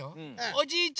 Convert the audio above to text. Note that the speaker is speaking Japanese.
おじいちゃん